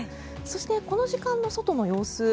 そして、この時間の外の様子